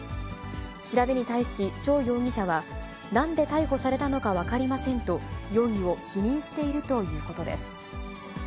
調べに対し、張容疑者は、なんで逮捕されたのか分かりませんと、容疑を否認しているということです。